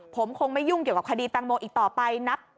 ผมคงไม่ยุ่งเกี่ยวกับคดีตังโมอีกต่อไปนับ